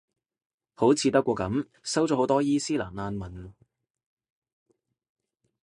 好似德國噉，收咗好多伊期蘭難民